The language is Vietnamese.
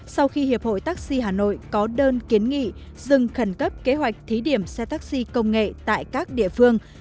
sau khi hiệp hội taxi hà nội có đơn kiến nghị dừng khẩn cấp kế hoạch thí điểm xe taxi công nghệ tại các địa phương